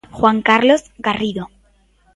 Juan Carlos Garrido.